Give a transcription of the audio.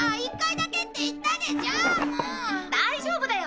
大丈夫だよ。